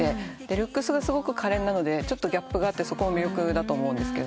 ルックスがすごくかれんなのでちょっとギャップがあってそこも魅力だと思うんですけど。